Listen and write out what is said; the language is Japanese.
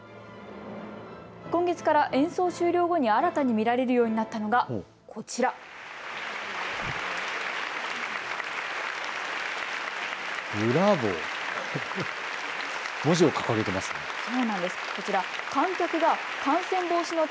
今月から演奏終了後に新たに見られるようになったのがこちら。